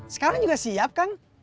sekarang juga siap kang